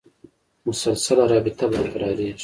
مسلسله رابطه برقرارېږي.